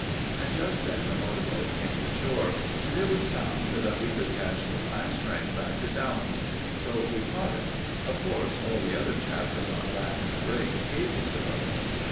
And just then the motor boat came to shore, and it was found that we could catch the last train back to Daleham. So we caught it. Of course, all the other chaps had gone back in the brakes ages ago.